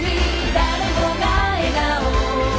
「誰もが笑顔」